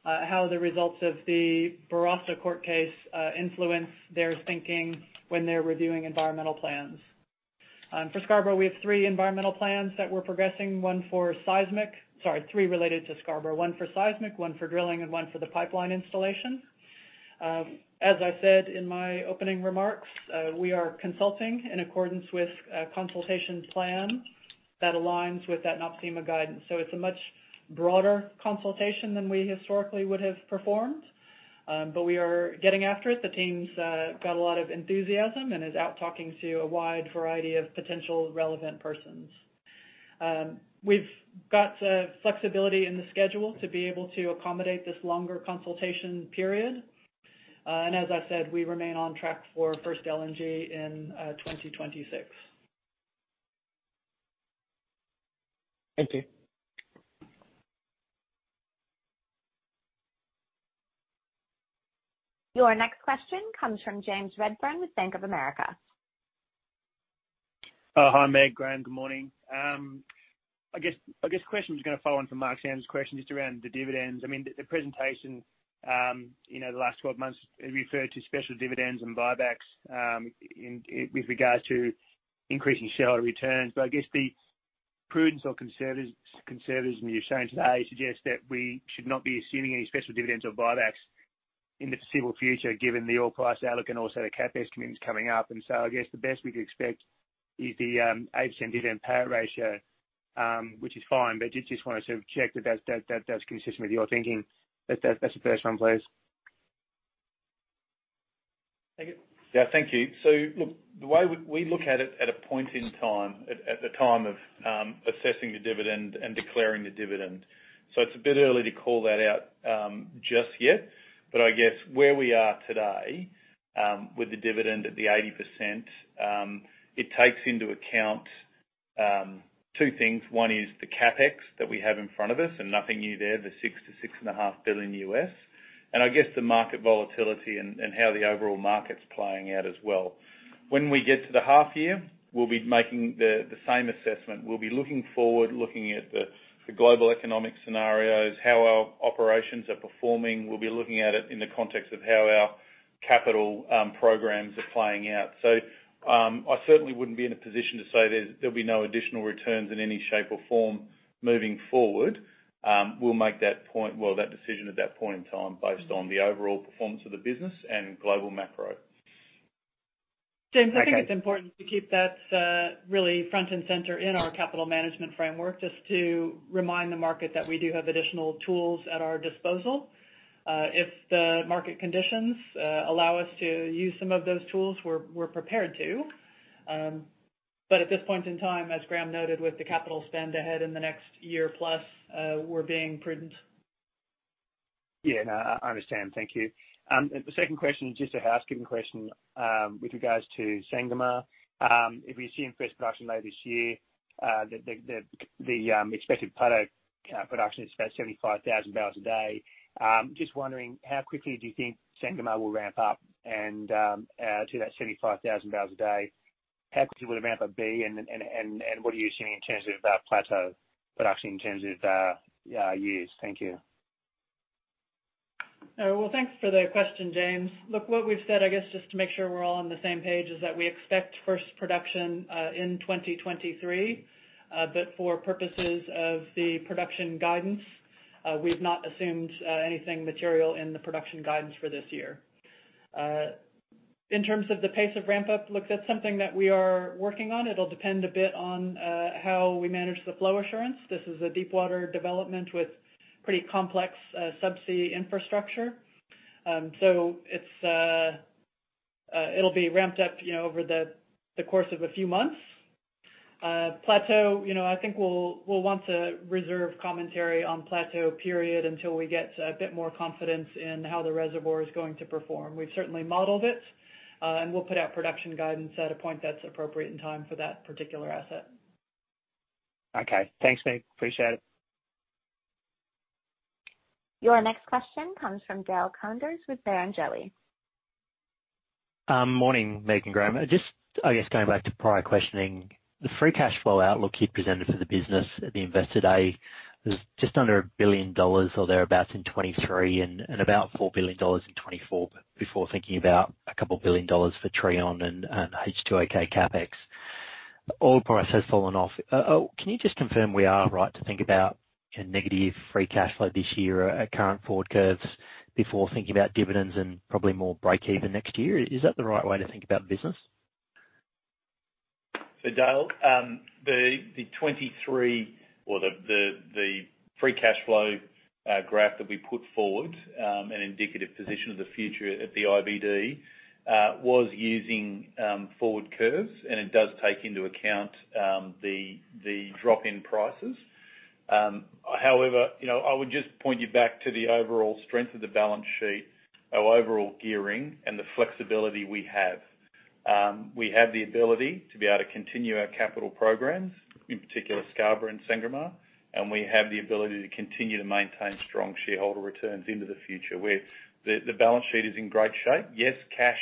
how the results of the Barossa court case influence their thinking when they're reviewing environmental plans. For Scarborough, we have 3 environmental plans that we're progressing. Three related to Scarborough: 1 for seismic, 1 for drilling, and 1 for the pipeline installation. As I said in my opening remarks, we are consulting in accordance with a consultation plan that aligns with that NOPSEMA guidance. It's a much broader consultation than we historically would have performed. We are getting after it. The team's got a lot of enthusiasm and is out talking to a wide variety of potential relevant persons. We've got flexibility in the schedule to be able to accommodate this longer consultation period. As I said, we remain on track for first LNG in 2026. Thank you. Your next question comes from James Redfern with Bank of America. Hi, Meg, Graham. Good morning. I guess question's going to follow on from Mark Samter's question, just around the dividends. I mean, the presentation, you know, the last 12 months referred to special dividends and buybacks, in, with regards to increasing shareholder returns. I guess the Prudence or conservatism you're showing today suggests that we should not be assuming any special dividends or buybacks in the foreseeable future, given the oil price outlook and also the CapEx commitments coming up. I guess the best we could expect is the 8% dividend payout ratio, which is fine. Did just want to sort of check that that's consistent with your thinking. That's the first one, please. Thank you. Yeah, thank you. Look, the way we look at it at a point in time, at the time of assessing the dividend and declaring the dividend. It's a bit early to call that out just yet. I guess where we are today, with the dividend at the 80%, it takes into account two things. One is the CapEx that we have in front of us and nothing new there, the $6 billion-$6.5 billion. I guess the market volatility and how the overall market's playing out as well. When we get to the half year, we'll be making the same assessment. We'll be looking forward, looking at the global economic scenarios, how our operations are performing. We'll be looking at it in the context of how our capital, programs are playing out. I certainly wouldn't be in a position to say there'll be no additional returns in any shape or form moving forward. We'll make that point. Well, that decision at that point in time, based on the overall performance of the business and global macro. James Okay. I think it's important to keep that really front and center in our capital management framework. Just to remind the market that we do have additional tools at our disposal. If the market conditions allow us to use some of those tools, we're prepared to. At this point in time, as Graham noted with the capital spend ahead in the next year plus, we're being prudent. Yeah, no, I understand. Thank you. The second question is just a housekeeping question with regards to Sangomar. If we assume first production later this year, the expected plateau production is about 75,000 barrels a day. Just wondering, how quickly do you think Sangomar will ramp up and to that 75,000 barrels a day? How quickly would the ramp up be? What are you assuming in terms of that plateau production in terms of years? Thank you. Thanks for the question, James. What we've said, I guess just to make sure we're all on the same page, is that we expect first production in 2023. For purposes of the production guidance, we've not assumed anything material in the production guidance for this year. In terms of the pace of ramp up, that's something that we are working on. It'll depend a bit on how we manage the flow assurance. This is a deepwater development with pretty complex subsea infrastructure. It'll be ramped up, you know, over the course of a few months. Plateau, you know, I think we'll want to reserve commentary on plateau period until we get a bit more confidence in how the reservoir is going to perform. We've certainly modeled it, and we'll put out production guidance at a point that's appropriate in time for that particular asset. Okay. Thanks, Megan. Appreciate it. Your next question comes from Dale Koenders with Barrenjoey. Morning, Meg O'Neill, Graham Tiver. Just, I guess, going back to prior questioning, the free cash flow outlook you presented for the business at the Investor Day, was just under $1 billion or thereabouts in 2023 and about $4 billion in 2024. Before thinking about a couple billion dollars for Trion and H2OK CapEx. Oil price has fallen off. Can you just confirm we are right to think about a negative free cash flow this year at current forward curves before thinking about dividends and probably more break even next year? Is that the right way to think about the business? So Dale, the 23 or the free cash flow graph that we put forward, an indicative position of the future at the IBD, was using forward curves, and it does take into account the drop in prices. However, you know, I would just point you back to the overall strength of the balance sheet, our overall gearing and the flexibility we have. We have the ability to be able to continue our capital programs, in particular Scarborough and Sangomar, and we have the ability to continue to maintain strong shareholder returns into the future. The balance sheet is in great shape. Yes, cash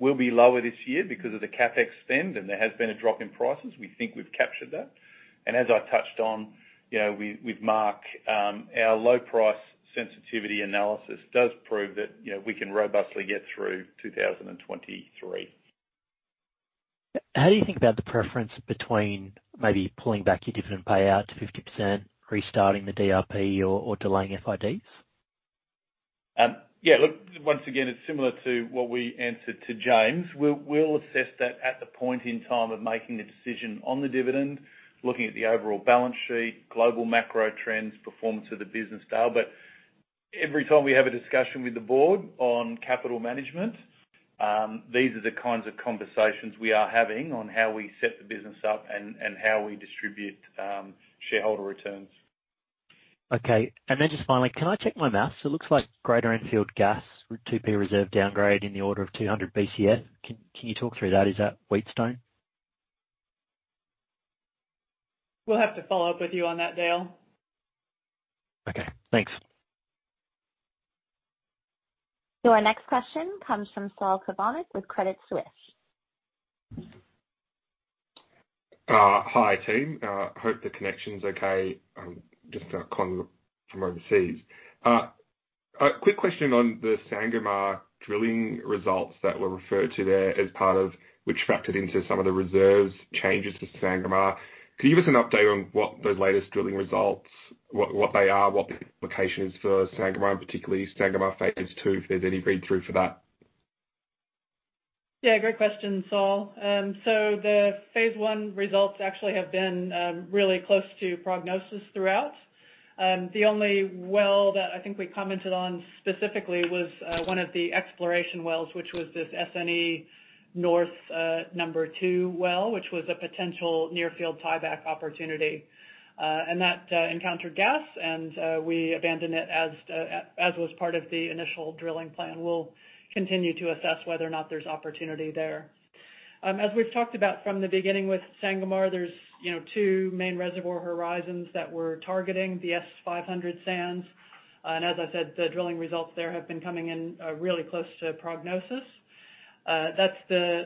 will be lower this year because of the CapEx spend, and there has been a drop in prices. We think we've captured that. As I touched on, you know, we, with Mark, our low price sensitivity analysis does prove that, you know, we can robustly get through 2023. How do you think about the preference between maybe pulling back your dividend payout to 50%, restarting the DRP or delaying FIDs? Yeah, look, once again, it's similar to what we answered to James. We'll assess that at the point in time of making the decision on the dividend, looking at the overall balance sheet, global macro trends, performance of the business, Dale. Every time we have a discussion with the board on capital management, these are the kinds of conversations we are having on how we set the business up and how we distribute shareholder returns. Okay. Then just finally, can I check my math? It looks like Greater Enfield Gas 2P reserve downgrade in the order of 200 BCF. can you talk through that? Is that Wheatstone? We'll have to follow up with you on that, Dale. Okay. Thanks. Our next question comes from Saul Kavonic with Credit Suisse. Hi, team. Hope the connection's okay. I'm just calling from overseas. A quick question on the Sangomar drilling results that were referred to there as part of which factored into some of the reserves changes to Sangomar. Can you give us an update on what those latest drilling results, what they are, what the implication is for Sangomar, and particularly Sangomar phase two, if there's any read-through for that? Yeah, great question, Saul. The phase one results actually have been really close to prognosis throughout. The only well that I think we commented on specifically was one of the exploration wells, which was this SNE North, number two well, which was a potential near field tieback opportunity. And that encountered gas and we abandoned it as was part of the initial drilling plan. We'll continue to assess whether or not there's opportunity there. As we've talked about from the beginning with Sangomar, there's, you know, two main reservoir horizons that we're targeting, the S500 sands. As I said, the drilling results there have been coming in really close to prognosis. That's the,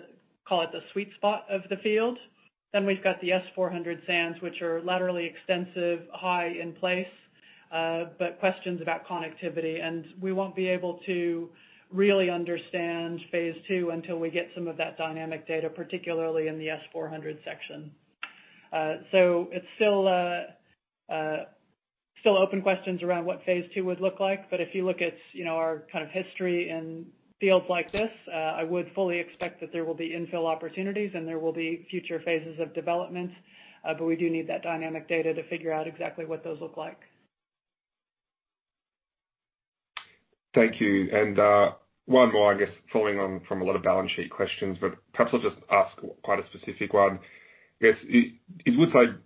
call it the sweet spot of the field. We've got the S-400 sands, which are laterally extensive, high in place, questions about connectivity. We won't be able to really understand phase 2 until we get some of that dynamic data, particularly in the S-400 section. It's still open questions around what phase 2 would look like. If you look at, you know, our kind of history in fields like this, I would fully expect that there will be infill opportunities and there will be future phases of development. We do need that dynamic data to figure out exactly what those look like. Thank you. One more, I guess following on from a lot of balance sheet questions, but perhaps I'll just ask quite a specific one. I guess, is Woodside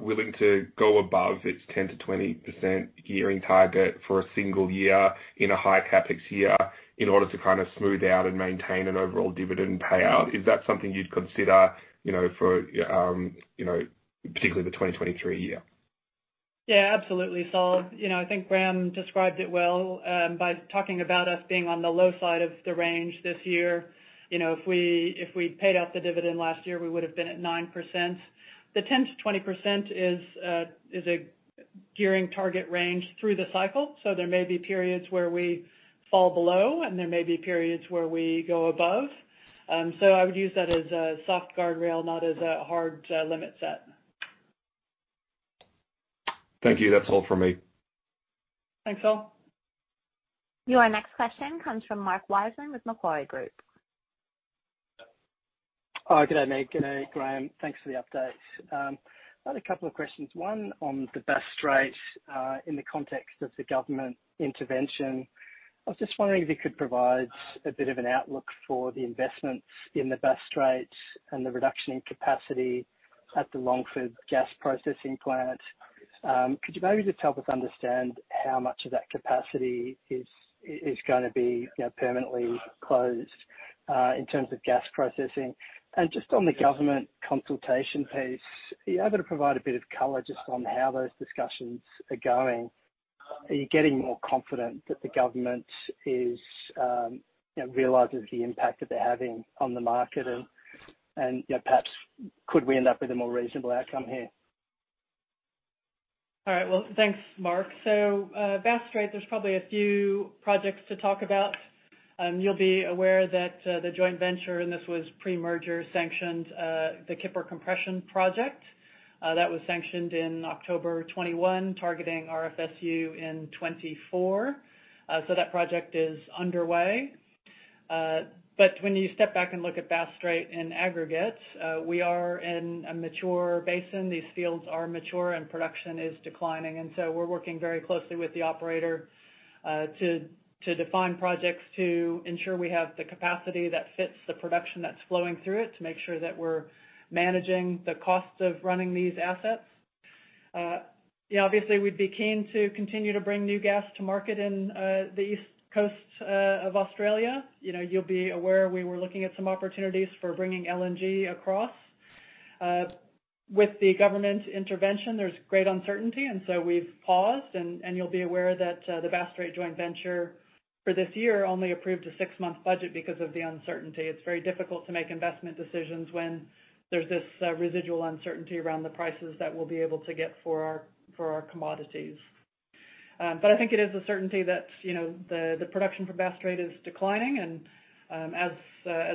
willing to go above its 10%-20% gearing target for a single year in a high CapEx year in order to kind of smooth out and maintain an overall dividend payout? Is that something you'd consider, you know, for, you know, particularly the 2023 year? Yeah, absolutely, Saul. You know, I think Graham described it well by talking about us being on the low side of the range this year. You know, if we'd paid out the dividend last year, we would've been at 9%. The 10%-20% is a gearing target range through the cycle. There may be periods where we fall below, and there may be periods where we go above. I would use that as a soft guardrail, not as a hard limit set. Thank you. That's all for me. Thanks, Saul. Your next question comes from Mark Wiseman with Macquarie Group. Good day, Meg. Good day, Graham. Thanks for the update. I had a couple of questions. One on the Bass Strait, in the context of the government intervention. I was just wondering if you could provide a bit of an outlook for the investments in the Bass Strait and the reduction in capacity at the Longford gas processing plant. Could you maybe just help us understand how much of that capacity is gonna be, you know, permanently closed in terms of gas processing? Just on the government consultation piece, are you able to provide a bit of color just on how those discussions are going? Are you getting more confident that the government is, you know, realizes the impact that they are having on the market and, you know, perhaps could we end up with a more reasonable outcome here? Well, thanks, Mark. Bass Strait, there's probably a few projects to talk about. You'll be aware that the joint venture, and this was pre-merger, sanctioned the Kipper Compression Project. That was sanctioned in October 2021, targeting RFSU in 2024. That project is underway. When you step back and look at Bass Strait in aggregate, we are in a mature basin. These fields are mature and production is declining. We're working very closely with the operator to define projects to ensure we have the capacity that fits the production that's flowing through it, to make sure that we're managing the cost of running these assets. You know, obviously we'd be keen to continue to bring new gas to market in the East Coast of Australia. You know, you'll be aware we were looking at some opportunities for bringing LNG across. With the government intervention, there's great uncertainty and so we've paused and you'll be aware that the Bass Strait joint venture for this year only approved a six-month budget because of the uncertainty. It's very difficult to make investment decisions when there's this residual uncertainty around the prices that we'll be able to get for our, for our commodities. I think it is a certainty that, you know, the production for Bass Strait is declining and as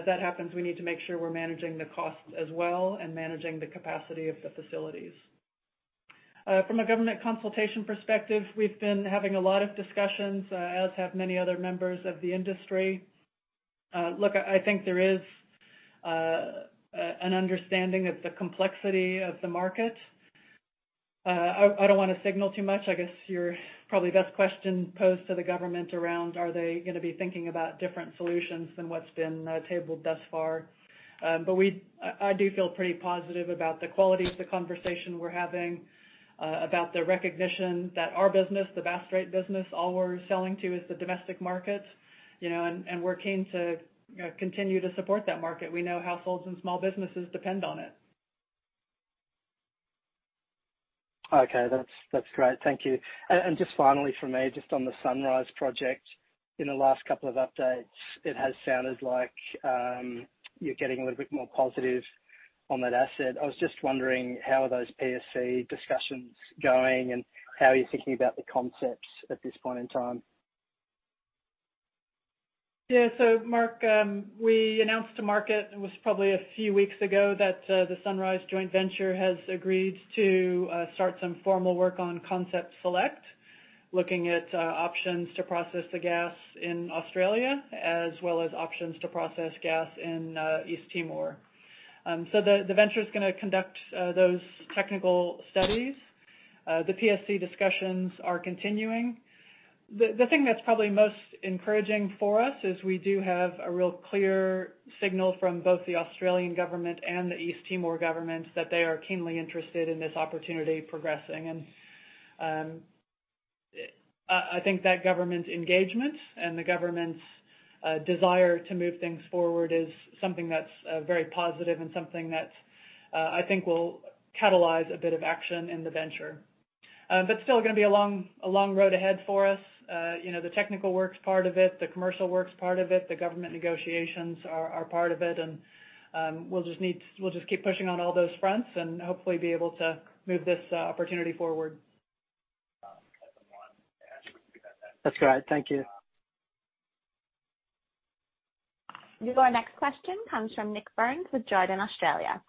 that happens, we need to make sure we're managing the cost as well and managing the capacity of the facilities. From a government consultation perspective, we've been having a lot of discussions, as have many other members of the industry. Look, I think there is an understanding of the complexity of the market. I don't wanna signal too much. I guess your probably best question posed to the government around are they gonna be thinking about different solutions than what's been tabled thus far. I do feel pretty positive about the quality of the conversation we're having about the recognition that our business, the Bass Strait business, all we're selling to is the domestic market. You know, and we're keen to, you know, continue to support that market. We know households and small businesses depend on it. Okay. That's great. Thank you. Just finally from me, just on the Sunrise project. In the last couple of updates, it has sounded like you're getting a little bit more positive on that asset. I was just wondering, how are those PSC discussions going, and how are you thinking about the concepts at this point in time? Mark, we announced to market, it was probably a few weeks ago, that the Sunrise joint venture has agreed to start some formal work on concept select, looking at options to process the gas in Australia as well as options to process gas in East Timor. The venture is gonna conduct those technical studies. The PSC discussions are continuing. The thing that's probably most encouraging for us is we do have a real clear signal from both the Australian government and the East Timor government that they are keenly interested in this opportunity progressing. I think that government engagement and the government's desire to move things forward is something that's very positive and something that I think will catalyze a bit of action in the venture. Still gonna be a long, a long road ahead for us. You know, the technical work's part of it, the commercial work's part of it, the government negotiations are part of it. We'll just keep pushing on all those fronts and hopefully be able to move this opportunity forward. That's great. Thank you. Our next question comes from Nik Burns with Jarden Australia.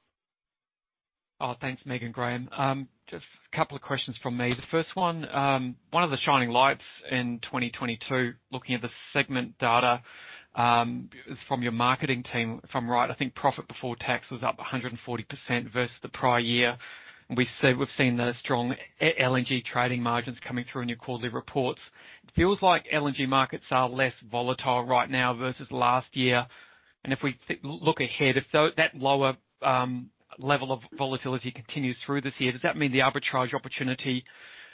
Oh, thanks, Meg Graham. Just a couple of questions from me. The first one of the shining lights in 2022, looking at the segment data, from your marketing team, if I'm right, I think profit before tax was up 140% versus the prior year. We've seen the strong LNG trading margins coming through in your quarterly reports. It feels like LNG markets are less volatile right now versus last year. If that lower level of volatility continues through this year, does that mean the arbitrage opportunity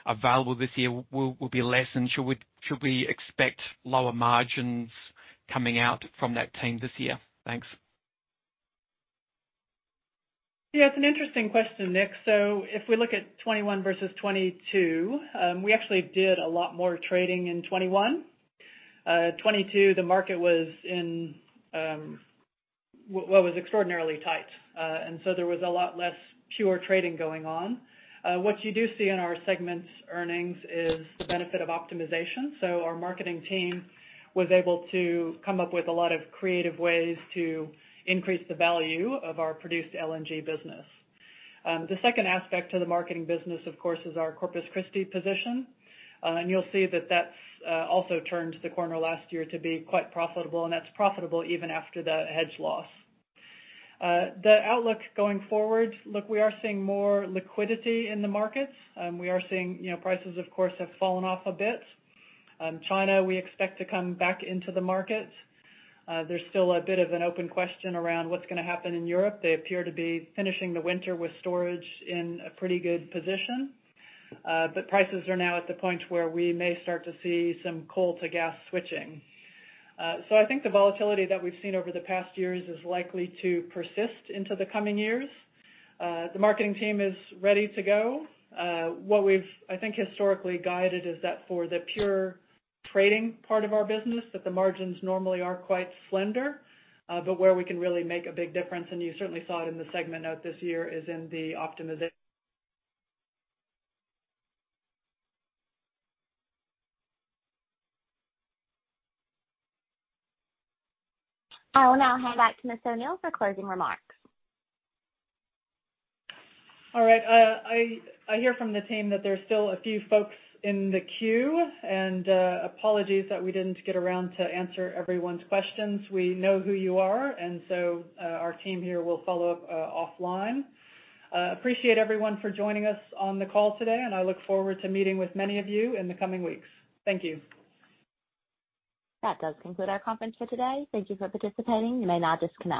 available this year will be less? Should we expect lower margins coming out from that team this year? Thanks. Yeah, it's an interesting question, Nik. If we look at 21 versus 22, we actually did a lot more trading in 21. 22, the market was in, well, it was extraordinarily tight. There was a lot less pure trading going on. What you do see in our segments earnings is the benefit of optimization. Our marketing team was able to come up with a lot of creative ways to increase the value of our produced LNG business. The second aspect to the marketing business, of course, is our Corpus Christi position. You'll see that that's also turned the corner last year to be quite profitable, and that's profitable even after the hedge loss. The outlook going forward, look, we are seeing more liquidity in the markets. We are seeing, you know, prices, of course, have fallen off a bit. China, we expect to come back into the market. There's still a bit of an open question around what's gonna happen in Europe. They appear to be finishing the winter with storage in a pretty good position. Prices are now at the point where we may start to see some coal to gas switching. I think the volatility that we've seen over the past years is likely to persist into the coming years. The marketing team is ready to go. What we've, I think, historically guided is that for the pure trading part of our business, that the margins normally are quite slender. Where we can really make a big difference, and you certainly saw it in the segment note this year, is in the optimization I will now hand back to Ms. O'Neill for closing remarks. All right. I hear from the team that there's still a few folks in the queue. Apologies that we didn't get around to answer everyone's questions. We know who you are. Our team here will follow up offline. Appreciate everyone for joining us on the call today. I look forward to meeting with many of you in the coming weeks. Thank you. That does conclude our conference for today. Thank you for participating. You may now disconnect.